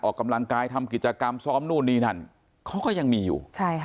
ออกกำลังกายทำกิจกรรมซ้อมนู่นนี่นั่นเขาก็ยังมีอยู่